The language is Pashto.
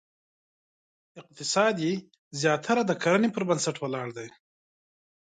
اقتصاد یې زیاتره د کرنې پر بنسټ ولاړ دی.